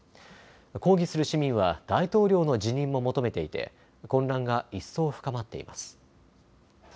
抗議する市民は大統領の辞任も求めていて混乱が一層深まっています。